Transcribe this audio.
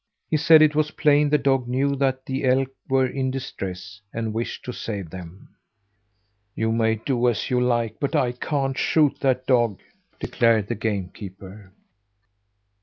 He said it was plain the dog knew that the elk were in distress, and wished to save them. "You may do as you like, but I can't shoot that dog!" declared the game keeper.